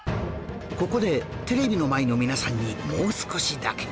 ここでテレビの前の皆さんにもう少しだけ